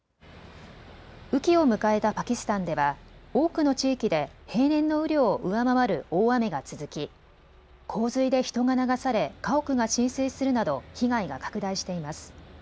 雨季を迎えたパキスタンでは多くの地域で平年の雨量を上回る大雨が続き洪水で人が流され家屋が浸水するなど被害が拡大しています。